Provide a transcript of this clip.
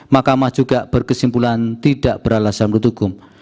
mahkamah juga berkesimpulan tidak beralasan menurut hukum